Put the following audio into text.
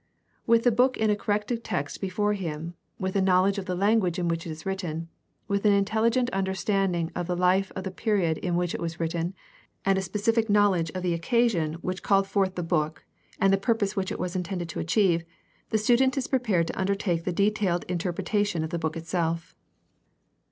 — With the book in a corrected text before him, with a knowledge of the language in which it is written, with an intel Hgent understanding of the life of the period in which it was written and a specific knowledge of the occasion which called 2IO GUIDE TO STUDY OF CHRISTIAN RELIGION forth the book and the purpose which it was intended to achieve, the student is prepared to undertake the detailed inter pretation of the book itself.